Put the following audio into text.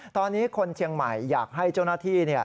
ตอนนี้คนเชียงใหม่อยากให้เจ้าหน้าที่